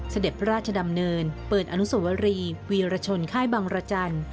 เสด็จพระราชดำเนินเปิดอนุสวรีวีรชนค่ายบังรจันทร์